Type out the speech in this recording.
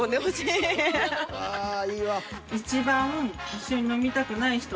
ああいいわ。